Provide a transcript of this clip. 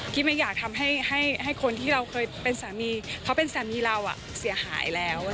ที่ไม่อยากทำให้คนที่เราเคยเป็นสามีเขาเป็นสามีเราเสียหายแล้ว